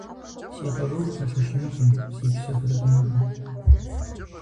Си къарур пэлъэщынукъым, си псэр хурикъунукъым.